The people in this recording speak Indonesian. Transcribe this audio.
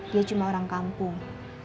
dia cuma orang kampung